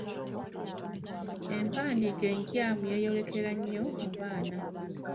Empandiika enkyamu yeeyolekera nnyo mu baana.